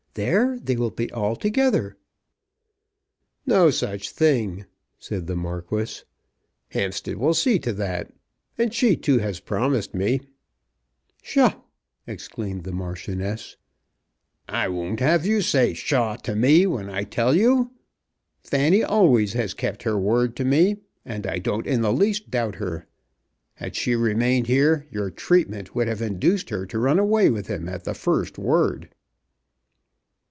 There they will be all together." "No such thing," said the Marquis. "Hampstead will see to that. And she too has promised me." "Pshaw!" exclaimed the Marchioness. "I won't have you say Pshaw to me when I tell you. Fanny always has kept her word to me, and I don't in the least doubt her. Had she remained here your treatment would have induced her to run away with him at the first word."